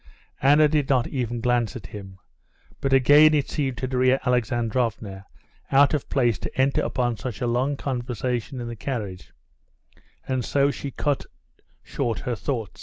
Anna did not even glance at him; but again it seemed to Darya Alexandrovna out of place to enter upon such a long conversation in the carriage, and so she cut short her thought.